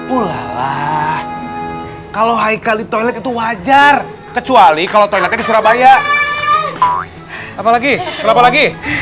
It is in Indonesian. ulala kalau haikal itu wajar kecuali kalau toiletnya di surabaya apalagi kenapa lagi